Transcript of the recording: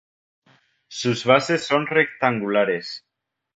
Sus bases son rectangulares.